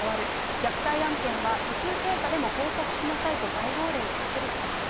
虐待案件は途中経過でも報告しなさいと大号令をかけるしかないと。